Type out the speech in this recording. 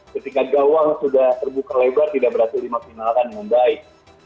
ketika gawang sudah terbuka lebar tidak berhasil dimaksimalkan dengan baik